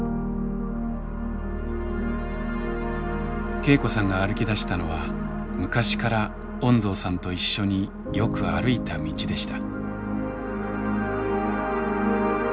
恵子さんが歩きだしたのは昔から恩蔵さんと一緒によく歩いた道でした。